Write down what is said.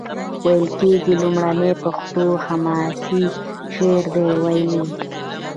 ویل کیږي لومړنی پښتو حماسي شعر ده ویلی.